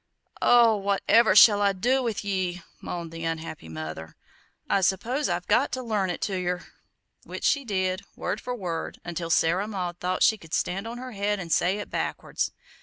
"Oh, whatever shall I do with ye?" moaned the unhappy mother; "I suppose I've got to learn it to yer!" which she did, word for word, until Sarah Maud thought she could stand on her head and say it backwards.